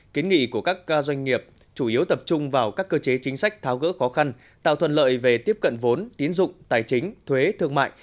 kiến nghị của các doanh nghiệp chủ yếu tập trung vào các cơ chế chính sách tháo gỡ khó khăn tạo thuận lợi về tiếp cận vốn tiến dụng tài chính thuế thương mại